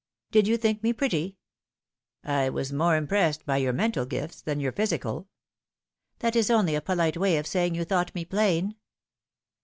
" Did you think me pretty ?"" I was more impressed by your mental gifts than your phy sical" " That is only a polite way of saying you thought me plain."